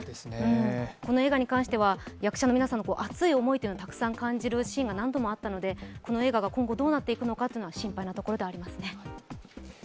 この映画に関しては役者の皆さんの熱い思いが感じられるシーンが何度もあったので、この映画が今後どうなっていくのか心配なところもありますね。